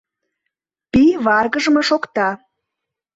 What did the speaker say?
Пий варгыжме шокта.